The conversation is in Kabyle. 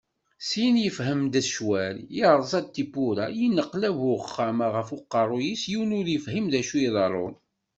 Syin yedhem-d ccwal, yerẓa-d tiwwura, yenneqlab uxxam-a ɣef uqerru-is, yiwen ur yefhim d acu i iḍerrun.